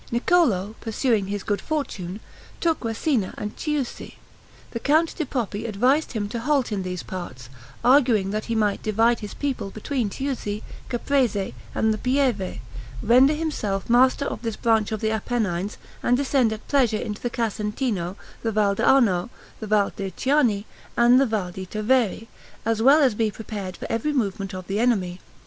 Niccolo, pursuing his good fortune, took Rassina and Chiusi. The Count di Poppi advised him to halt in these parts, arguing that he might divide his people between Chiusi, Caprese, and the Pieve, render himself master of this branch of the Apennines, and descend at pleasure into the Casentino, the Val d'Arno, the Val di Chiane, or the Val di Tavere, as well as be prepared for every movement of the enemy.